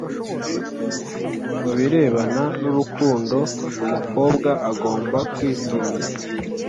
Mu birebana n’ urukundo umukobwa agomba kwitonda